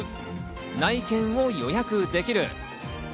内見を予約できる。